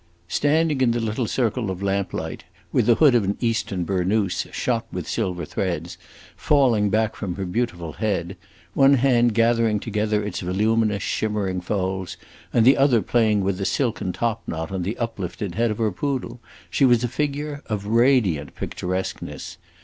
Standing in the little circle of lamplight, with the hood of an Eastern burnous, shot with silver threads, falling back from her beautiful head, one hand gathering together its voluminous, shimmering folds, and the other playing with the silken top knot on the uplifted head of her poodle, she was a figure of radiant picturesqueness.